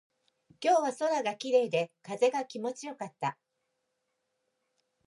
今日は空が綺麗で、風が気持ちよかった。